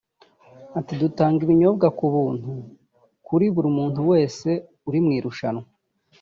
Ati " Dutanga ibinyobwa ku buntu kuri buri muntu wese uri mu irushanwa